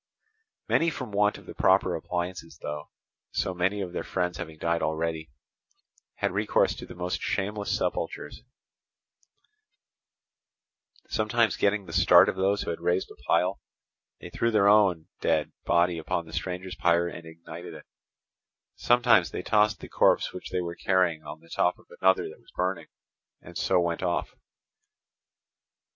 Many from want of the proper appliances, through so many of their friends having died already, had recourse to the most shameless sepultures: sometimes getting the start of those who had raised a pile, they threw their own dead body upon the stranger's pyre and ignited it; sometimes they tossed the corpse which they were carrying on the top of another that was burning, and so went off.